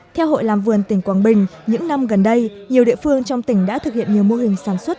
theo hội làm vườn tỉnh quảng bình những năm gần đây nhiều địa phương trong tỉnh đã thực hiện nhiều mô hình sản xuất